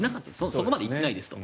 そこまで行ってないですと。